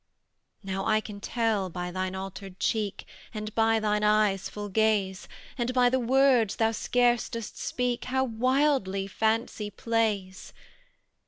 "Now I can tell by thine altered cheek, And by thine eyes' full gaze, And by the words thou scarce dost speak, How wildly fancy plays.